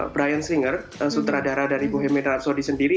bryan singer sutradara dari bohemian rhapsody sendiri